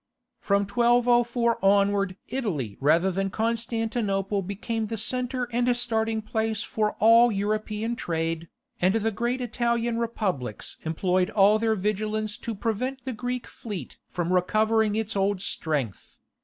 From 1204 onward Italy rather than Constantinople became the centre and starting place for all European trade, and the great Italian republics employed all their vigilance to prevent the Greek fleet from recovering its old strength.